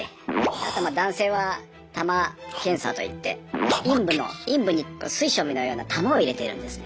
あとまあ男性は「玉検査」といって陰部の陰部に水晶のような玉を入れてるんですね。